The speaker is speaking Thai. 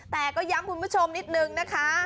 แต่ก็ย้ำคุณผู้ชมนิดนึงนะคะ